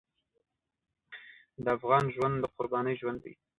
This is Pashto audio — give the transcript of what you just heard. د افغان ژوند د قربانۍ ژوند دی.